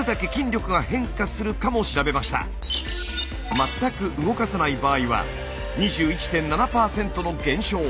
全く動かさない場合は２１．７％の減少。